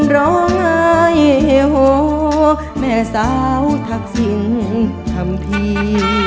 ร้องไอโฮแม่สาวทักษิงธรรมภีร์